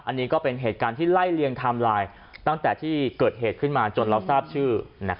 อันนี้ก็เป็นเหตุการณ์ที่ไล่เลียงไทม์ไลน์ตั้งแต่ที่เกิดเหตุขึ้นมาจนเราทราบชื่อ